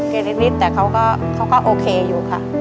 นิดแต่เขาก็โอเคอยู่ค่ะ